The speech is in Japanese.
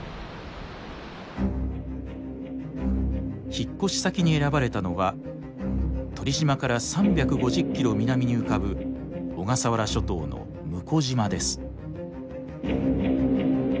引っ越し先に選ばれたのは鳥島から３５０ｋｍ南に浮かぶ小笠原諸島の聟島です。